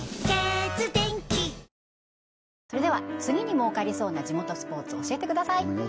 次に儲かりそうな地元スポーツ教えてください